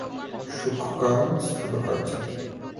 সূক্ষ্ম কারণ, স্থূল কার্য।